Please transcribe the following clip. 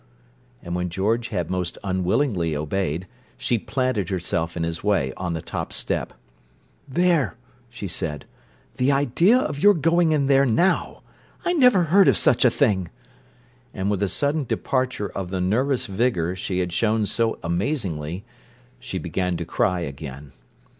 And when George had most unwillingly obeyed, she planted herself in his way, on the top step. "There!" she said. "The idea of your going in there now! I never heard of such a thing!" And with the sudden departure of the nervous vigour she had shown so amazingly, she began to cry again.